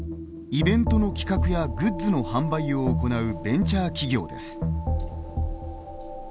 イベントの企画やグッズの販売を行うベンチャー企業です。